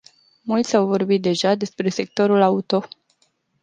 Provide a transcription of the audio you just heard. Mulți au vorbit deja despre sectorul auto.